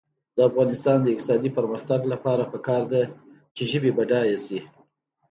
د افغانستان د اقتصادي پرمختګ لپاره پکار ده چې ژبې بډایه شي.